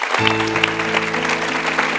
สวัสดีครับ